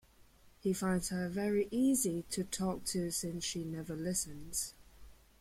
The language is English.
He finds her very easy to talk to since she never listens.